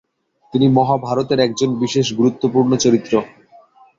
তিনি মহাভারতের একজন বিশেষ গুরুত্বপূর্ণ চরিত্র।